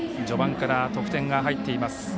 序盤から得点が入っています